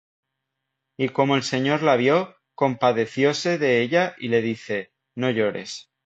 Y como el Señor la vió, compadecióse de ella, y le dice: No llores.